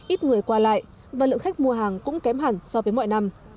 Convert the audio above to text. ít người qua lại và lượng khách mua hàng cũng kém hẳn so với mọi năm